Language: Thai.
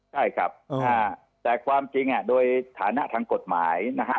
ใช่ครับแต่ความจริงโดยฐานะทางกฎหมายนะฮะ